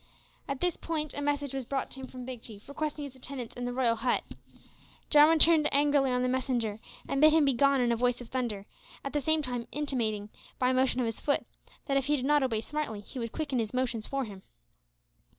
At this point a message was brought to him from Big Chief requesting his attendance in the royal hut. Jarwin turned angrily on the messenger and bid him begone in a voice of thunder, at the same time intimating, by a motion of his foot, that if he did not obey smartly, he would quicken his motions for him.